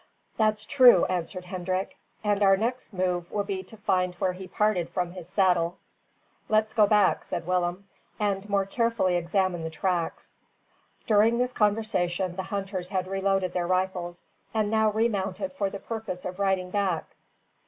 "That's true," answered Hendrik, "and our next move will be to find out where he parted from his saddle." "Let us go back," said Willem, "and more carefully examine the tracks." During this conversation, the hunters had reloaded their rifles, and now remounted for the purpose of riding back.